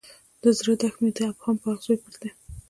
د زړه دښت مې د ابهام په اغزیو پټ دی.